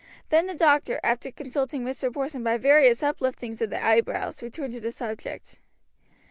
Then the doctor, after consulting Mr. Porson by various upliftings of the eyebrows, returned to the subject.